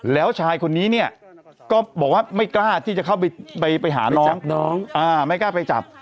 แล้วชายคนนี้เนี่ยก็บอกว่าไม่กล้าที่จะเข้าไปหาน้องไม่กล้าไปจับ